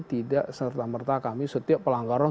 tidak serta merta kami setiap pelanggaran